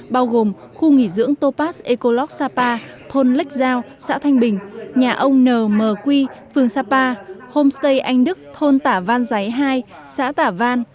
bao gồm khu nghỉ dưỡng topaz ecoloc sapa thôn lêch giao xã thanh bình nhà ông n m quy phường sapa homestay anh đức thôn tả văn giấy hai xã tả văn